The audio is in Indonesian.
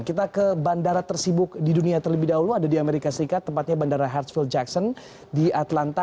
kita ke bandara tersibuk di dunia terlebih dahulu ada di amerika serikat tempatnya bandara headsfield jackson di atlanta